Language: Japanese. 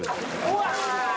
うわ！